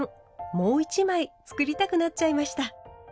もう１枚作りたくなっちゃいました。